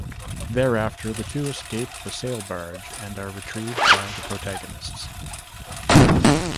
Thereafter the two escape the sail barge and are retrieved by the protagonists.